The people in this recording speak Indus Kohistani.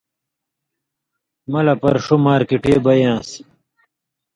مہ لہ پر ݜُو مارکِٹے بئ یان٘س